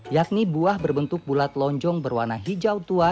yakni buah berbentuk bulat lonjong berwarna hijau tua